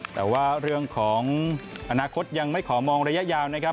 แต่ว่าเรื่องของอนาคตยังไม่ขอมองระยะยาวนะครับ